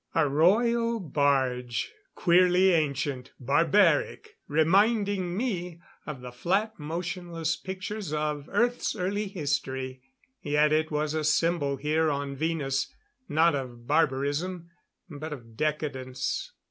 A royal barge, queerly ancient, barbaric reminding me of the flat, motionless pictures of Earth's early history. Yet it was a symbol here on Venus, not of barbarism, but of decadence.